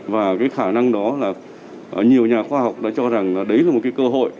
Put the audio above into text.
và cái khả năng đó là nhiều nhà khoa học đã cho rằng đấy là một cái cơ hội